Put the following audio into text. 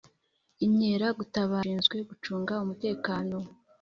Inkera gutabara zishinzwe gucunga umutekano